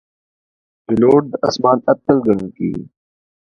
پیلوټ د آسمان اتل ګڼل کېږي.